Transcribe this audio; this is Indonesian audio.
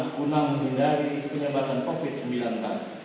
untuk menanggung penyebab covid sembilan belas